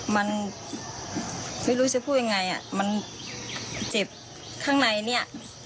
มันไม่รู้จะพูดอย่างไรมันเจ็บข้างในนี้